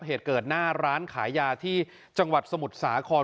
เหตุเกิดหน้าร้านขายยาที่จังหวัดสมุทรสาคร